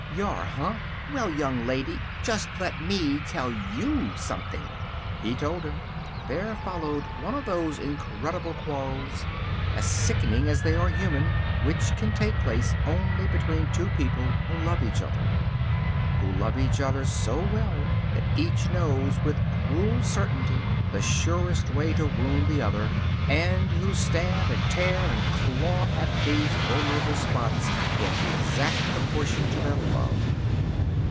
"Y'are, huh? Well, young lady, just let me tell YOU something " He told her. There followed one of those incredible quarrels, as sickening as they are human, which can take place only between two people who love each other; who love each other so well that each knows with cruel certainty the surest way to wound the other; and who stab, and tear, and claw at these vulnerable spots in exact proportion to their love.